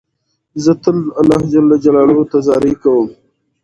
زه تل الله جل جلاله ته زارۍ کوم.